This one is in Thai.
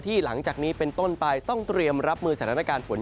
หลังจากนี้เป็นต้นไปต้องเตรียมรับมือสถานการณ์ฝน